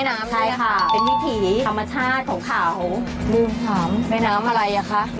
นั่งเผินไงพี่อ้วนก็มองซ้ายมองขวาคุยกับพี่อ้วนเผินแม่น้ำอะไรคะ